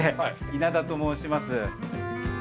稲田と申します。